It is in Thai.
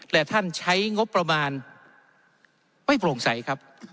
และท่านใช้งบประมาณไม่โปร่งใสครับ